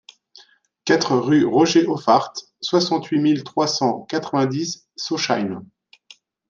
quatre rue Roger Hoffarth, soixante-huit mille trois cent quatre-vingt-dix Sausheim